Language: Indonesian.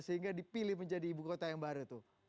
sehingga dipilih menjadi ibu kota yang baru itu